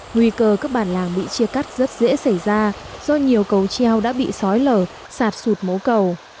nguy cơ các bản làng bị chia cắt rất dễ xảy ra do nhiều cầu treo đã bị sói lở sạt sụt mố cầu